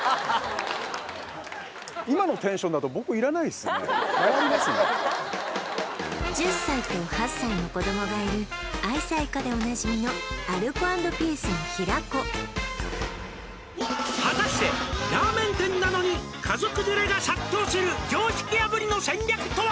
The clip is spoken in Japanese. まわりますね１０歳と８歳の子どもがいる愛妻家でおなじみのアルコ＆ピースの平子「果たしてラーメン店なのに家族連れが殺到する」「常識破りの戦略とは！？」